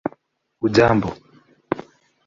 hujambo